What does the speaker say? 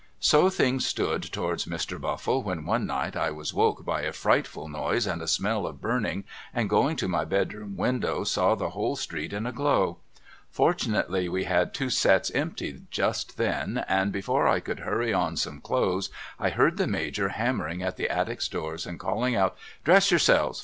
So things stood towards Mr. Buffle when one night I was woke by a frightful noise and a smell of burning, and going to my bedroom window saw the whole street in a glow. Fortunately we had two sets empty just then and before I could hurry on some clothes I heard the Major hammering at the attics' doors and calling out ' Dress yourselves